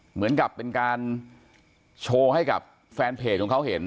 เหมือนกับเป็นการโชว์ให้กับแฟนเพจของเขาเห็น